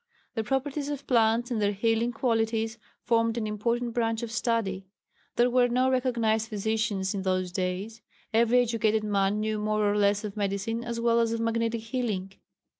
The properties of plants and their healing qualities formed an important branch of study. There were no recognized physicians in those days every educated man knew more or less of medicine as well as of magnetic healing.